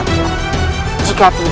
kau akan membunuh